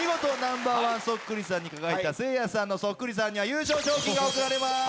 Ｎｏ．１そっくりさんに輝いたせいやさんのそっくりさんには優勝賞金が贈られまーす！